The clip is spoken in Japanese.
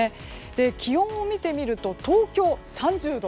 気温を見てみると東京、３０度。